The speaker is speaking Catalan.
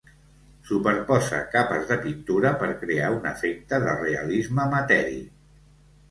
Superposa capes de pintura per crear un efecte de realisme matèric.